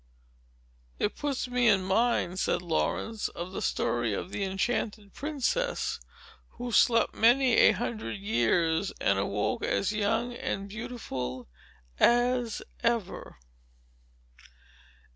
"It puts me in mind," said Laurence, "of the story of the enchanted princess, who slept many a hundred years, and awoke as young and beautiful as ever."